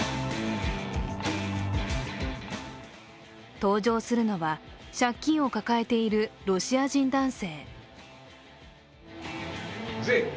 登場するのは、借金を抱えているロシア人男性。